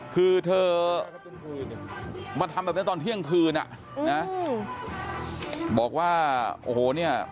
คือเธอมาทำแบบนั้นตอนเที่ยงคืนอ่ะนะบอกว่าโอ้โหเนี่ย